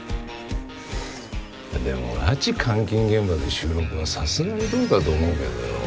でも拉致・監禁現場で収録はさすがにどうかと思うけどよ。